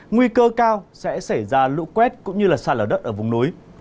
nguy cơ cao sẽ xảy ra lũ quét cũng như là sạt lở đất ở vùng núi